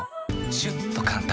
シュッと簡単！